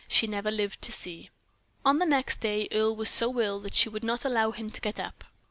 she never lived to see. On the next day, Earle was so ill that she would not allow him to get up.